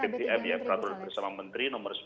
bpm ya peraturan bersama menteri nomor